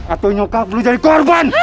atau nyokap dulu jadi korban